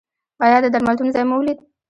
ایا د درملتون ځای مو ولید؟